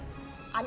kepala kak fani